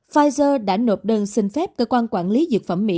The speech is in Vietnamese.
pfizer đã nộp đơn xin phép cơ quan quản lý dược phẩm mỹ